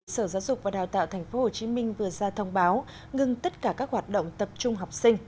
sở giáo dục và đào tạo tp hcm vừa ra thông báo ngưng tất cả các hoạt động tập trung học sinh